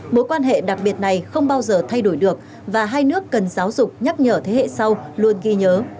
mối quan hệ đặc biệt này không bao giờ thay đổi được và hai nước cần giáo dục nhắc nhở thế hệ sau luôn ghi nhớ